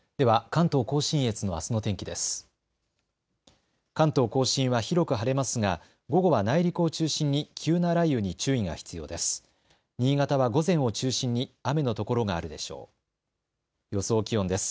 関東甲信は広く晴れますが午後は内陸を中心に急な雷雨に注意が必要です。